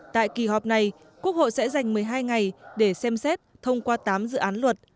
tại kỳ họp này quốc hội sẽ dành một mươi hai ngày để xem xét thông qua tám dự án luật